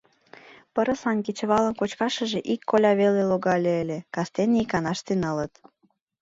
Пырыслан кечывалым кочкашыже ик коля веле логале гын, кастене — иканаште нылыт.